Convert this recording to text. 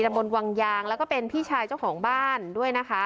บนวังยางแล้วก็เป็นพี่ชายเจ้าของบ้านด้วยนะคะ